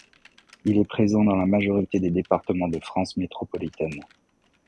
Il est présent dans la majorité des départements de France métropolitaine.